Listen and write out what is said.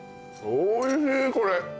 おいしいこれ。